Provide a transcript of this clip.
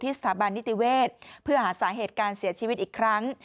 สถาบันนิติเวศเพื่อหาสาเหตุการเสียชีวิตอีกครั้ง